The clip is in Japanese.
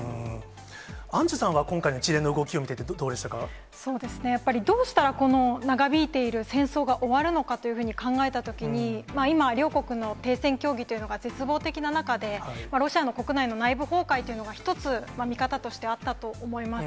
アンジュさんは今回の一連のそうですね、やっぱりどうしたらこの長引いている戦争が終わるのかというふうに考えたときに、今、両国の停戦協議というのが絶望的な中で、ロシアの国内の内部崩壊というのが、一つ見方としてあったと思います。